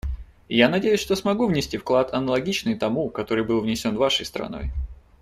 Я надеюсь, что смогу внести вклад, аналогичный тому, который был внесен Вашей страной.